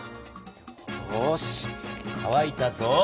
よしかわいたぞ！